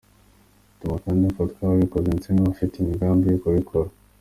Bituma kandi hafatwa ababikoze ndetse n’abafite imigambi yo kubikora."